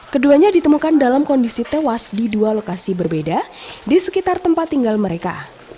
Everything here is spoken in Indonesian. keduanya ditemukan dalam kondisi tewas di dua lokasi berbeda di sekitar tempat tinggal mereka